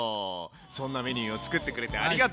そんなメニューをつくってくれてありがとう！